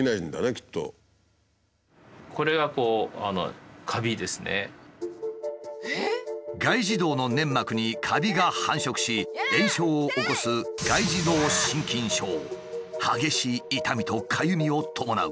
しかし外耳道の粘膜にカビが繁殖し炎症を起こす激しい痛みとかゆみを伴う。